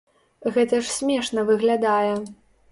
Гэта ж смешна выглядае.